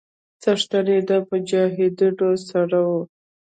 څښتن يې د مجاهيدنو سړى و.